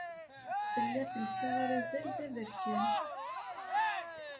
Tella telsa arazal d aberkan.